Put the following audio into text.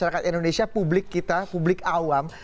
mas akrad indonesia publik kita publik awam